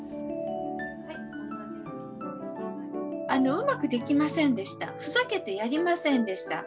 「うまくできませんでした」「ふざけてやりませんでした」